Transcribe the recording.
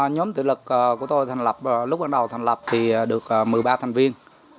nhóm tự lực của tôi lúc bắt đầu thành lập thì được một mươi ba thành viên